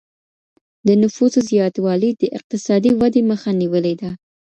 د نفوسو زياتوالی د اقتصادي ودي مخه نيولې ده.